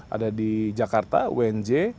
ada di jakarta unj